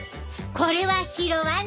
これは拾わな。